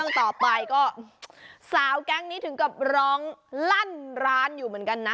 ต่อไปก็สาวแก๊งนี้ถึงกับร้องลั่นร้านอยู่เหมือนกันนะ